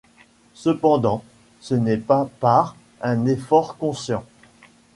Cependant, ce n'est pas par un effort conscient.